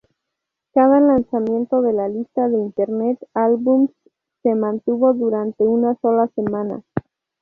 Cada lanzamiento de la lista de "Internet Albums" se mantuvo durante una sola semana.